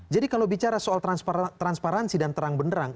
jadi kalau bicara soal transparansi dan terang benerang